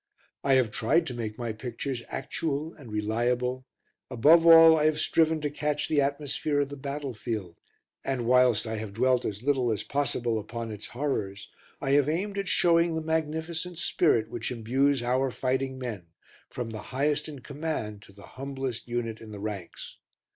I have tried to make my pictures actual and reliable, above all I have striven to catch the atmosphere of the battlefield, and whilst I have dwelt as little as possible upon its horrors, I have aimed at showing the magnificent spirit which imbues our fighting men, from the highest in command to the humblest unit in the ranks.